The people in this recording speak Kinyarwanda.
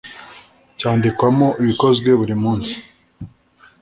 cyandikwamo ibikozwe buri munsi